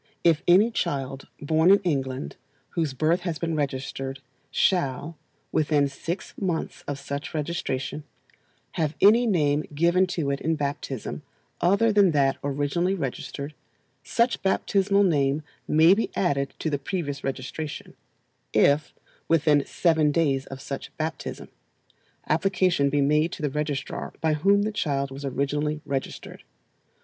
If any child born in England, whose birth has been registered, shall, within six months of such registration, have any name given to it in baptism other than that originally registered, such baptismal name may be added to the previous registration, if, within seven days of such baptism, application be made to the registrar by whom the child was originally registered.